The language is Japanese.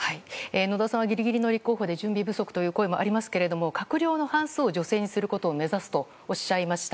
野田さんはギリギリの立候補で準備不足という声もありますけれども閣僚の半数を女性にすることを目指すとおっしゃいました。